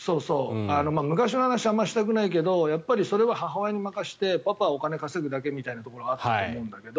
昔の話はあんまりしたくないけどやっぱりそれは母親に任せてパパはお金を稼ぐだけみたいなところがあったと思うんだけど。